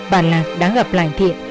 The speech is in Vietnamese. bà lạc đã gặp lành thiện